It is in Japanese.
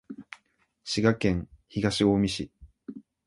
滋賀県東近江市